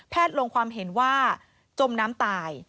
ลงความเห็นว่าจมน้ำตาย